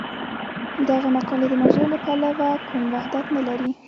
دغه مقالې د موضوع له پلوه کوم وحدت نه لري.